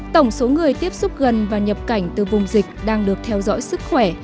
tổng số người tiếp xúc gần và nhập cảnh từ vùng dịch đang được theo dõi sức khỏe